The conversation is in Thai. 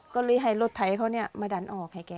ก็เลยให้รถไถเขามาดันออกให้แก